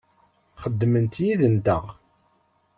Xeddment yid-nteɣ.